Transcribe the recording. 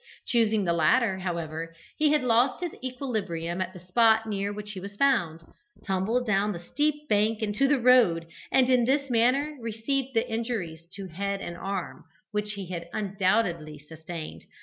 Choosing the latter, however, he had lost his equilibrium at the spot near which he was found, tumbled down the steep bank into the road, and in this manner received the injuries to head and arm which he had undoubtedly sustained.